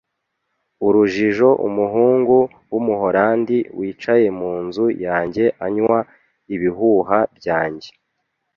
urujijo umuhungu wumuholandi wicaye munzu yanjye anywa ibihuha byanjye!